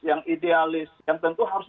yang idealis yang tentu harus